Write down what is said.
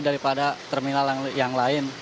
daripada terminal yang lain